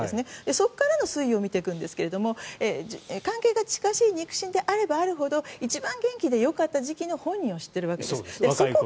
そこからの推移を見ていくんですが関係が近しい肉親であればあるほど一番元気でよかった時期の本人を知ってるわけです。